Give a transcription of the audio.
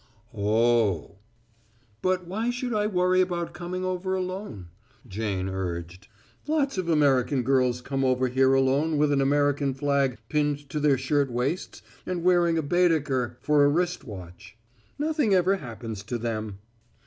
"Oh!" "But why should I worry about coming over alone?" Jane urged. "Lots of American girls come over here alone with an American flag pinned to their shirt waists and wearing a Baedeker for a wrist watch. Nothing ever happens to them."